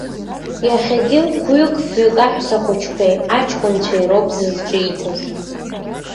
Иахьагьы хәҩык-фҩык аҳәсахәыҷқәеи аҷкәынцәеи роуп зызҿиҭыз.